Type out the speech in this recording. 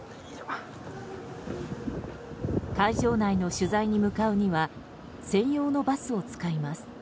会場内の取材に向かうには専用のバスを使います。